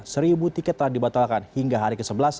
seribu tiket telah dibatalkan hingga hari ke sebelas